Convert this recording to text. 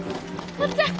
おっちゃん